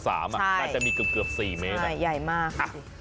น่าจะมีเกือบ๔เมตรแต่ใหญ่มาก